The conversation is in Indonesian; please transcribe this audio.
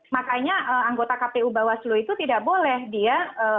makanya anggota kpu bawaslu itu tidak boleh dia